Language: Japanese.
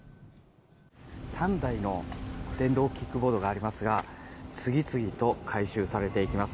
３台の電動キックボードがありますが次々と回収されていきます。